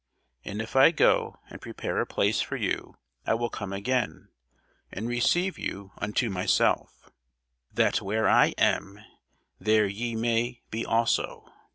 And if I go and prepare a place for you, I will come again, and receive you unto myself; that where I am, there ye may be also.